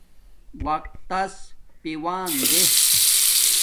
وقت تس پیوان دے